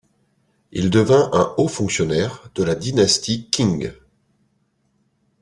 Il devint un haut fonctionnaire de la dynastie Qing.